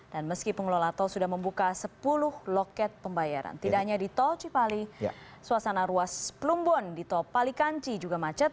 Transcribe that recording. dan meski pengelola tol sudah membuka sepuluh loket pembayaran tidak hanya di tol cipali suasana ruas plumbon di tol palikanci juga macet